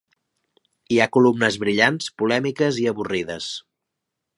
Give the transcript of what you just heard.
Hi ha columnes brillants, polèmiques i avorrides.